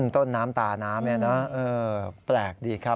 ต้นน้ำตาน้ำเนี่ยนะแปลกดีครับ